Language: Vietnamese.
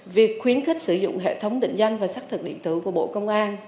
việc khuyến khích sử dụng hệ thống định danh và xác thực điện tử của bộ công an